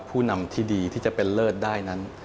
ผู้นำที่ดีที่จะเป็นเลิศได้นั้น